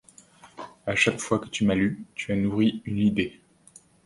À chaque fois que tu m’as lu, tu as nourri une idée.